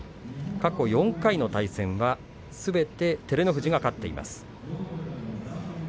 過去４回の対戦はすべて照ノ富士が勝っています。